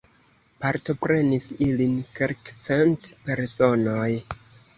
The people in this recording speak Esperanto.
Partoprenis ilin kelkcent personoj.